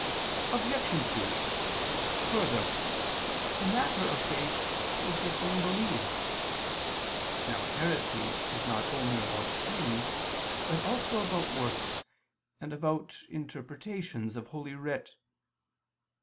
Obj. 2: Further, the matter of faith is the thing believed. Now heresy is not only about things, but also about works, and about interpretations of Holy Writ.